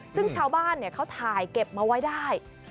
ซึ่งชาวบ้านเขาถ่ายเก็บมาไว้ได้